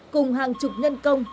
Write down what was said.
cùng hàng chục nhân công